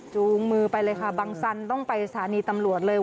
จูงมือไปเลยค่ะบังสันต้องไปสถานีตำรวจเลย